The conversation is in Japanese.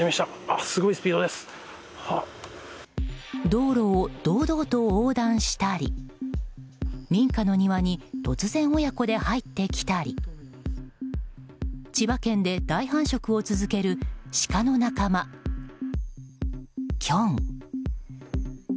道路を堂々と横断したり民家の庭に突然親子で入ってきたり千葉県で大繁殖を続けるシカの仲間、キョン。